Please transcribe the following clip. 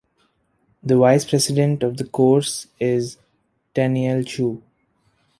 The vice president of the course is Tenniel Chu.